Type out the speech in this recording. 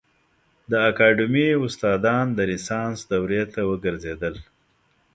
د اکاډمي استادان د رنسانس دورې ته وګرځېدل.